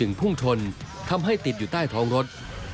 พุ่งชนทำให้ติดอยู่ใต้ท้องรถ